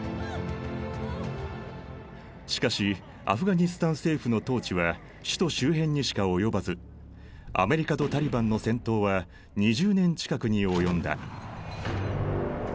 しかしアフガニスタン政府の統治は首都周辺にしか及ばずアメリカとタリバンの戦闘は２０年近くに及んだ。